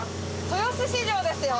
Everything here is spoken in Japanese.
豊洲市場ですよ。